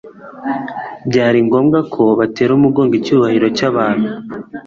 byari ngombwa ko batera umugongo icyubahiro cy'abantu.